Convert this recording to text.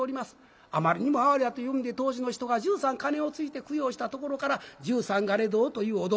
あまりにも哀れやというんで当時の人が１３鐘をついて供養したところから十三鐘堂というお堂